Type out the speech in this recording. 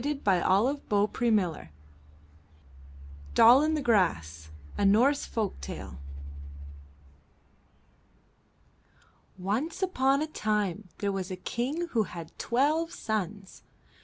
1 60 UP ONE PAIR OF STAIRS DOLL r THE GRASS A Norse Folk Tale Once upon a time there was a King who had twelve sons.